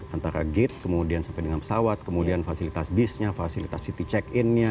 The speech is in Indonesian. antara gate kemudian sampai dengan pesawat kemudian fasilitas bisnya fasilitas city check in nya